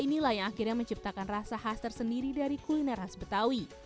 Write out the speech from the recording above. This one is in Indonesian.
inilah yang akhirnya menciptakan rasa khas tersendiri dari kuliner khas betawi